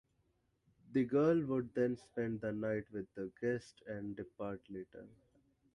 The girl would then spend the night with the guest and depart later.